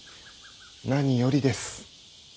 何よりです。